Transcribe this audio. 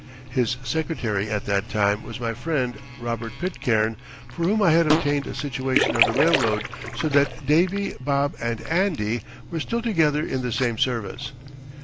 His secretary at that time was my friend, Robert Pitcairn, for whom I had obtained a situation on the railroad, so that "Davy," "Bob," and "Andy" were still together in the same service.